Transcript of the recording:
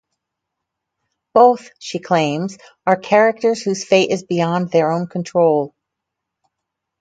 Both, she claims, are characters whose fate is beyond their own control.